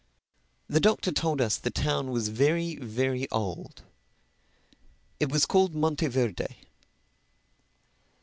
The Doctor told us the town was very, very old. It was called Monteverde.